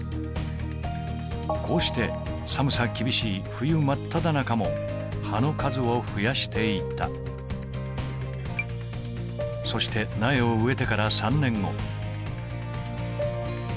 こうして寒さ厳しい冬まっただ中も葉の数を増やしていったそして苗を植えてから３年後